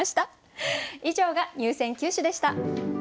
以上が入選九首でした。